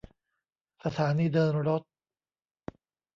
สถานีเดินรถ